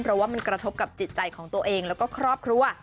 เพราะว่ามันกระทบกับจิตใจของตัวเองแล้วก็ครอบครัว